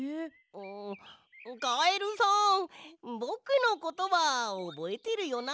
んカエルさんぼくのことはおぼえてるよな？